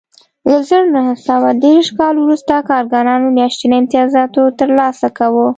له زر نه سوه دېرش کال وروسته کارګرانو میاشتنی امتیاز ترلاسه کاوه